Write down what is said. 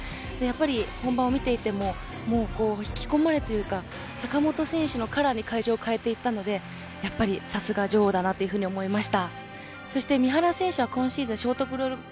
本場を見ていても引き込まれている坂本選手のカラーに変えていたのでさすが女王だなと思いました。